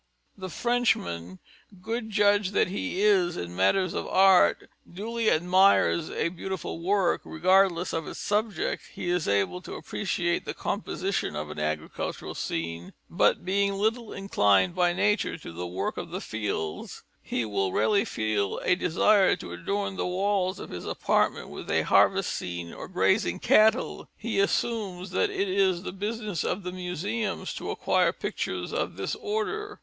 The Frenchman, good judge that he is in matters of art, duly admires a beautiful work, regardless of its subject; he is able to appreciate the composition of an agricultural scene, but, being little inclined by nature to the work of the fields, he will rarely feel a desire to adorn the walls of his apartment with a Harvest Scene or Grazing Cattle; he assumes that it is the business of the museums to acquire pictures of this order.